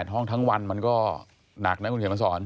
ห้องทั้งวันมันก็หนักนะคุณเขียนมาสอน